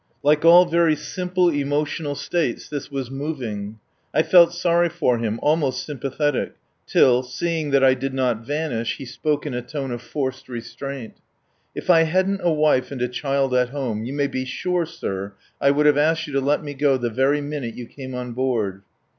Like all very simple emotional states this was moving. I felt sorry for him almost sympathetic, till (seeing that I did not vanish) he spoke in a tone of forced restraint. "If I hadn't a wife and a child at home you may be sure, sir, I would have asked you to let me go the very minute you came on board."